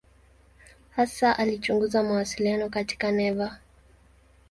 Hasa alichunguza mawasiliano katika neva.